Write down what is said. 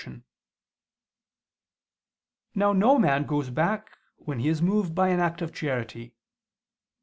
Now no man goes back when he is moved by an act of charity.